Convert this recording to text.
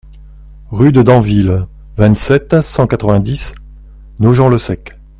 Rue de Damville, vingt-sept, cent quatre-vingt-dix Nogent-le-Sec